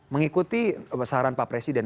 mengikuti saran pak presiden